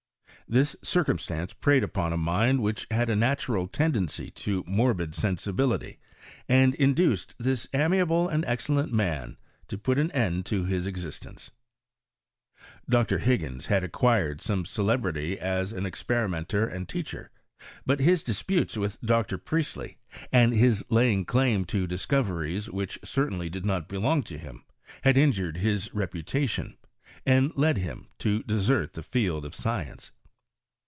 This circumstance preyed upon a mind which had a natural tendency to morbid sensibility, and induced this amiable and excellent mao to put an end to his existence. Dr. Higgins had acquired some celebrity as an experimenter and teacher ; but his disputes with Dr. Priestley, and his laying claim to discoveries which certainly did not belong to him, had injured his reputation, and led him to desert the 6eld of science.